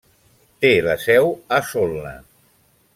Té la seu a Solna.